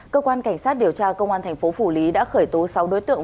cơ quan cảnh sát điều tra công an thành phố phủ lý đã khởi tố sáu đối tượng